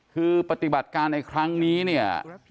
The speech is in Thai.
คือปฏิบัติการในครั้งนี้เนี่ย